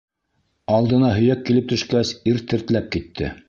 Алдына һөйәк килеп төшкәс, ир тертләп китте.